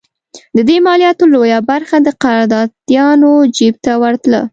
د دې مالیاتو لویه برخه د قراردادیانو جېب ته ورتله.